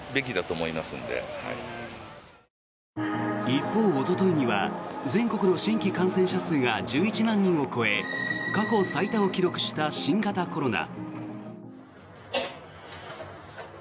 一方、おとといには全国の新規感染者数が１１万人を超え過去最多を記録した新型コロナ。